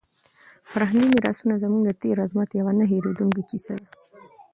فرهنګي میراثونه زموږ د تېر عظمت یوه نه هېرېدونکې کیسه ده.